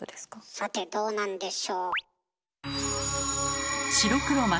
さてどうなんでしょう。